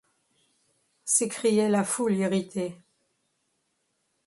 s’écriait la foule irritée.